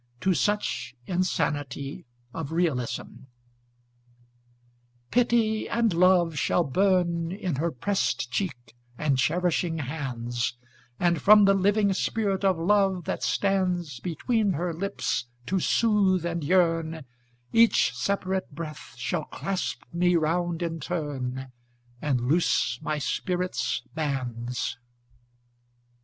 to such insanity of realism Pity and love shall burn In her pressed cheek and cherishing hands; And from the living spirit of love that stands Between her lips to soothe and yearn, Each separate breath shall clasp me round in turn And loose my spirit's bands.